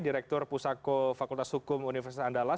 direktur pusako fakultas hukum universitas andalas